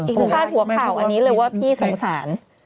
พาดหัวข่าวอันนี้เลยว่าพี่สงสาร